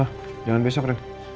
oh jangan besok reng